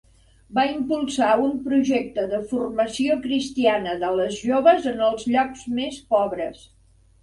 Va impulsar un projecte de formació cristiana de les joves en els llocs més pobres.